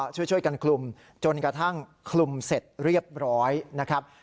ช่วยกันคลุมจนกระทั่งคลุมเสร็จเรียบร้อยนะครับ